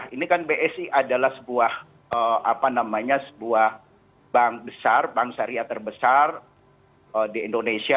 ini kan bsi adalah sebuah bank besar bank syariah terbesar di indonesia